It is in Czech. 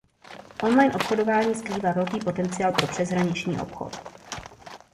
Online obchodování skrývá velký potenciál pro přeshraniční obchod.